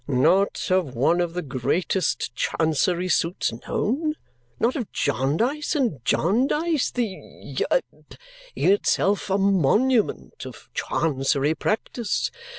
"Not of one of the greatest Chancery suits known? Not of Jarndyce and Jarndyce the a in itself a monument of Chancery practice.